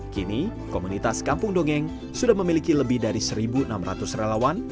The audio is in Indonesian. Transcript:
kini komunitas kampung dongeng sudah memiliki lebih dari satu enam ratus relawan